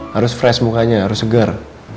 harus fresh mukanya harus segar